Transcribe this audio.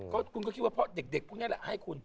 คุณก็คิดว่าพ่อเด็กพูดง่ายแหละให้คุณ